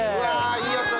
いいやつだ